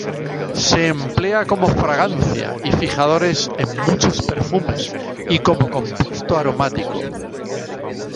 Se emplea como fragancia y fijadores en muchos perfumes y como un compuesto aromático.